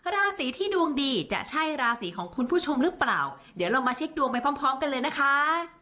ราศีที่ดวงดีจะใช่ราศีของคุณผู้ชมหรือเปล่าเดี๋ยวเรามาเช็คดวงไปพร้อมพร้อมกันเลยนะคะ